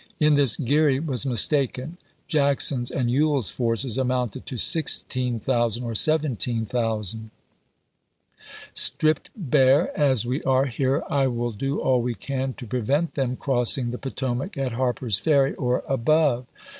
[In this Geary was mistaken. Jackson's and Ewell's forces amounted to 16,000 or 17,000.] Stripped bare, as we are here, I will do all we can to prevent them crossing the Potomac at Harper's Ferry or above.